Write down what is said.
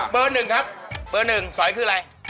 เบอร์หนึ่งครับเบอร์หนึ่งสอยคืออะไร